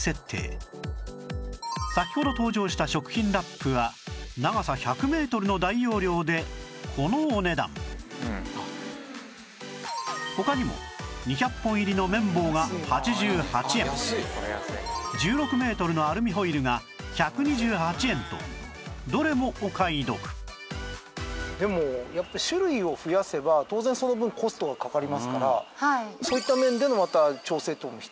先ほど登場した食品ラップは長さ１００メートルの大容量でこのお値段他にも２００本入りの綿棒が８８円１６メートルのアルミホイルが１２８円とどれもお買い得でもやっぱり種類を増やせば当然その分コストがかかりますからそういった面でもまた調整等も必要になるんじゃないですか？